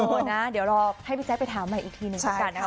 เดี๋ยวนะเดี๋ยวรอให้พี่แจ๊คไปถามใหม่อีกทีหนึ่งแล้วกันนะคะ